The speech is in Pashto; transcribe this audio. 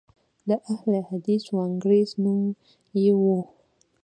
د اهل حدیث وانګریز نوم یې و.